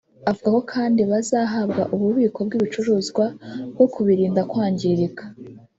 Avuga kandi ko bazahabwa ububiko bw’ibicuruzwa bwo kubirinda kwangirika